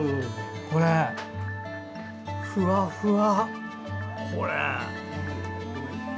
これ、ふわふわ。